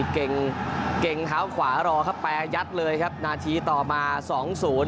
เก่งเก่งเท้าขวารอเข้าไปยัดเลยครับนาทีต่อมาสองศูนย์